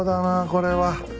これは。